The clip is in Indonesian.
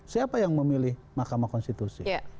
siapa yang memilih mahkamah konstitusi